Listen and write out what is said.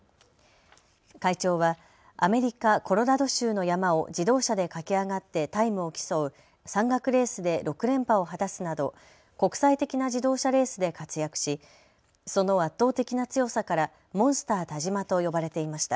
会長はアメリカ・コロラド州の山を自動車で駆け上がってタイムを競う山岳レースで６連覇を果たすなど国際的な自動車レースで活躍しその圧倒的な強さからモンスター田嶋と呼ばれていました。